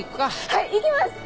はい行きます！